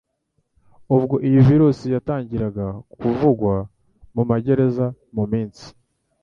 Ubwo iyi virusi yatangiraga kuvugwa mu magereza mu minsi